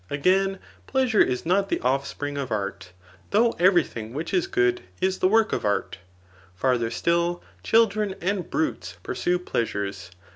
Again, pleasure is not the ofispring of art ; though every thing which is good, is the work of art. Farther still, children and brutes pursue pleasures.